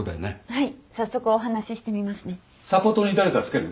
はい。